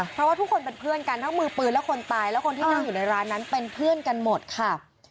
เพราะว่าทุกคนเป็นเพื่อนกันทั้งมือปืนและคนตายและคนที่นั่งอยู่ในร้านนั้นเป็นเพื่อนกันหมดค่ะ